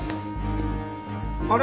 あれ？